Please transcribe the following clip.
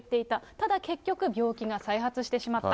ただ、結局、病気が再発してしまった。